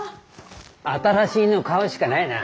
新しいの買うしかないな。